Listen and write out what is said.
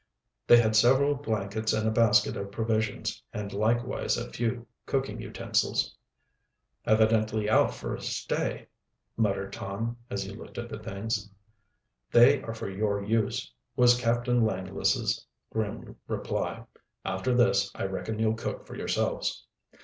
They had several blankets and a basket of provisions, and likewise a few cooking utensils. "Evidently out for a stay," muttered Tom, as he looked at the things. "They are for your use," was Captain Langless' grim reply. "After this I reckon you'll cook for yourselves."